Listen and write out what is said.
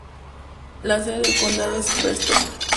La sede del condado es Prescott.